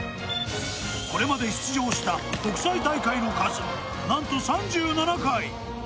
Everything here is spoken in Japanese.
これまで出場した国際大会の数、なんと３７回。